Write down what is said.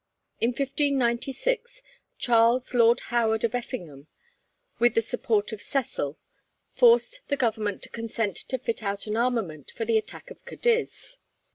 In 1596, Charles Lord Howard of Effingham, with the support of Cecil, forced the Government to consent to fit out an armament for the attack of Cadiz.